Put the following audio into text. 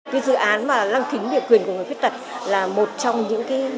cái dự án mà là lăng kính địa quyền của người khuyết tật là một trong những cái